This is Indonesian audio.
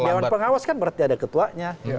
karena dewan pengawas kan berarti ada ketuanya